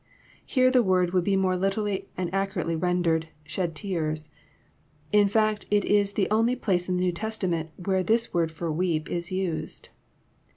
Here the word would be more literally and accurately rendered <* shed tears." In fact it is the only place in the New Testament where this word for « weep is nded.